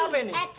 ada apa ini